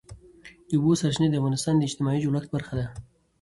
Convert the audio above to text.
د اوبو سرچینې د افغانستان د اجتماعي جوړښت برخه ده.